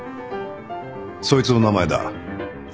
そいつの名前だ。